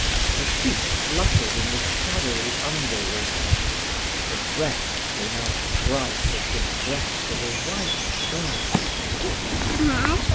Her feet fluttered in the shadowy underwater. Her breast came out bright as the breast of a white bird.